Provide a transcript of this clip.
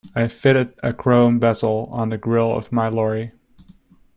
I fitted a chrome bezel on the grill of my lorry.